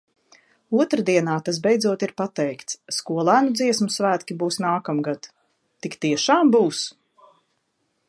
Otrdienā tas beidzot ir pateikts, skolēnu dziesmu svētki būs nākamgad. Tik tiešām būs?